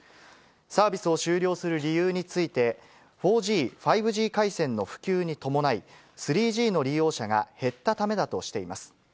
サービスを終了する理由について、４Ｇ、５Ｇ回線の普及に伴い、３Ｇの利用者が減ったためだとしています。